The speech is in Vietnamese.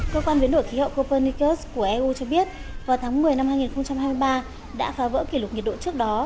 cơ quan biến đổi khí hậu copernicus của eu cho biết vào tháng một mươi năm hai nghìn hai mươi ba đã phá vỡ kỷ lục nhiệt độ trước đó